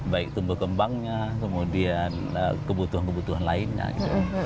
baik tumbuh kembangnya kemudian kebutuhan kebutuhan lainnya gitu